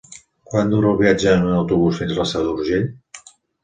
Quant dura el viatge en autobús fins a la Seu d'Urgell?